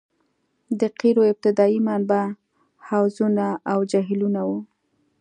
د قیرو ابتدايي منبع حوضونه او جهیلونه وو